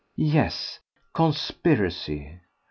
Yes, conspiracy!